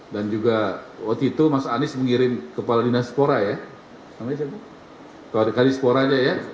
dan juga waktu itu anies mengirim kepala dinaseporanya